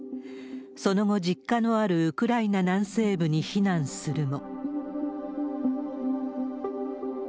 その後、実家のあるウクライナ南西部に避難するも。